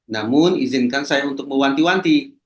namun izinkan saya untuk mewanti wanti